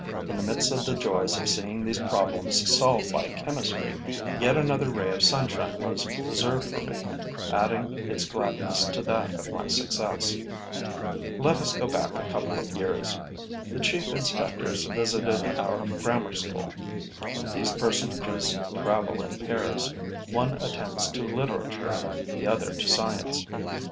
In the midst of the joys of seeing these problems solved by chemistry, yet another ray of sunshine was reserved for me, adding its gladness to that of my success. Let us go back a couple of years. The chief inspectors visited our grammar school. These personages travel in pairs: one attends to literature, the other to science.